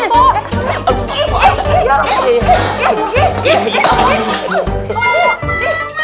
eh apaan tuh